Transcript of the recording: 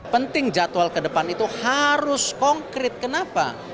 penting jadwal ke depan itu harus konkret kenapa